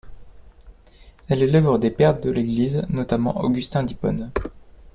Elle est l'œuvre des Pères de l'Église, notamment Augustin d'Hippone.